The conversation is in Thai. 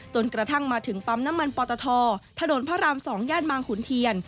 กระทั่งมาถึงปั๊มน้ำมันปอตทถนนพระราม๒ย่านบางขุนเทียน